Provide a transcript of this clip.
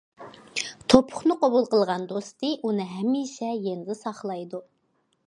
توپۇقنى قوبۇل قىلغان دوستى ئۇنى ھەمىشە يېنىدا ساقلايدۇ.